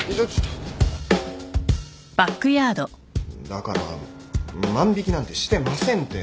だから万引なんてしてませんって。